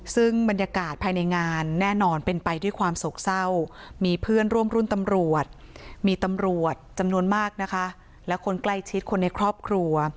ซึ่งบรรยากาศภายในงานแน่นอนเป็นไปด้วยความโศกเศร้ามีเพื่อนร่วมรุ่นตำรวจมีตำรวจจำนวนมากนะคะและคนใกล้ชิดคนในครอบครัว